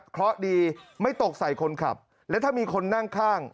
เพราะดีไม่ตกใส่คนขับและถ้ามีคนนั่งข้าง